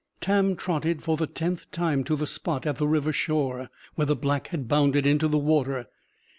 Tam trotted, for the tenth time, to the spot at the river shore, where the Black had bounded into the water.